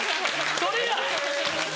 それや！